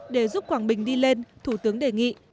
để giúp quảng bình đi lên thủ tướng đề nghị